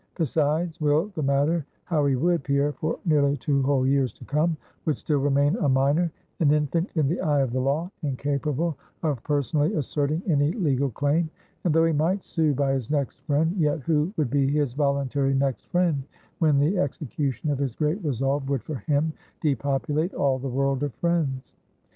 Besides, will the matter how he would, Pierre for nearly two whole years to come, would still remain a minor, an infant in the eye of the law, incapable of personally asserting any legal claim; and though he might sue by his next friend, yet who would be his voluntary next friend, when the execution of his great resolve would, for him, depopulate all the world of friends?